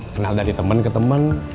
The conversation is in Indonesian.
kenal dari teman ke temen